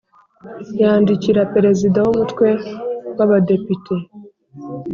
Yandikira perezida w umutwe w abadepite